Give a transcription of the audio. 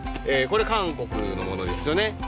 これ韓国のものですよね。